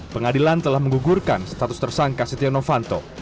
pengadilan telah menggugurkan status tersangka setia novanto